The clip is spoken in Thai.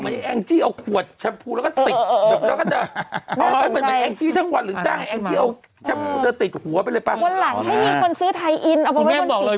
พี่มดหมายถึงไอ้เส้นตรงกลางที่ตรงมาตรงเลยอ่ะ